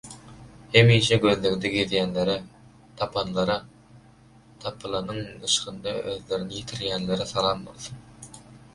Hemişe gözlegde gezýänlere, tapanlara, tapylanyň yşgynda özlerini ýitirýänlere salam bolsun.